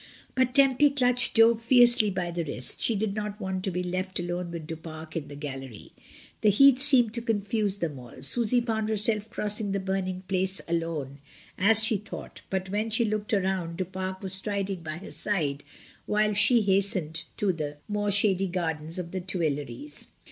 But Tempy clutched Jo fiercely by the wrist. She did not want to be left alone with Du Pare in the gallery. The heat seemed to confuse them all. Susy found herself crossing the burning place alone, as she thought, but when she looked round, Du Pare was striding by her side, while she hastened to the 9* 132 MRS. DYMOND. more shady gardens of the Tuileries.